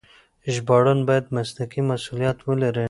ژباړن بايد مسلکي مسؤليت ولري.